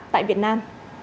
tại việt nam